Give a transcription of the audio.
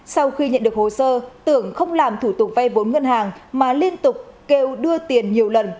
sau khi nhận được hồ sơ tưởng không làm thủ tục vay vốn ngân hàng mà liên tục kêu đưa tiền nhiều lần